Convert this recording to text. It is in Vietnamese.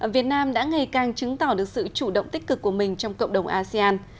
việt nam đã ngày càng chứng tỏ được sự chủ động tích cực của mình trong cộng đồng asean